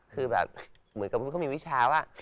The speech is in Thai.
คือแบบเหมือนกับเขามีวิชาว่า